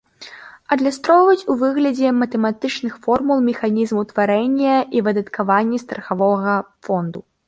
Адлюстроўваюць у выглядзе матэматычных формул механізм утварэння і выдаткавання страхавога фонду.